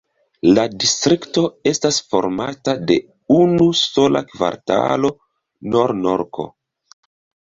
La distrikto estas formata de unu sola kvartalo: Nor-Norko.